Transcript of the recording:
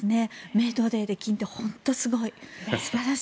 メドレーで金って本当にすごい。